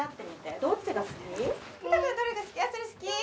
羽汰くんどれが好きそれ好き？